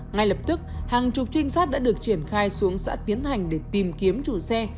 ngay lập tức hàng chục trinh sát đã được triển khai xuống xã tiến hành để tìm kiếm chủ xe